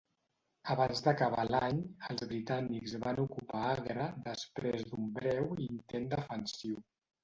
Abans d'acabar l'any els britànics van ocupar Agra després d'un breu intent defensiu.